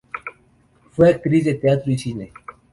Fue actriz de teatro y cine.